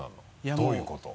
どういうことを？